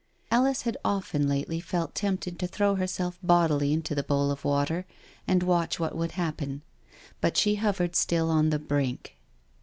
Alice had often lately felt tempted to throw herself bodily into the bowl of water and watch what would happen. But she hovered still on the brink.